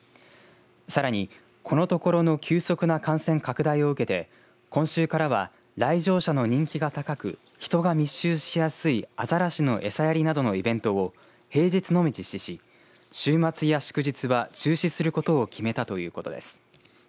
さらに、このところの急速な感染拡大を受けて今週からは、来場者の人気が高く人が密集しやすいアザラシの餌やりなどのイベントを平日のみ実施し、週末や祝日は中止することを決めたということです。